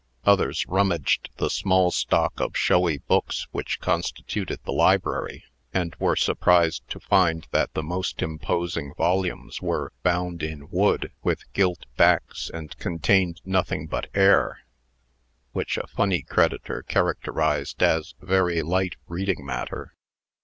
Others rummaged the small stock of showy books which consituted the library, and were surprised to find that the most imposing volumes were bound in wood, with gilt backs, and contained nothing but air, which a funny creditor characterized as very light reading matter.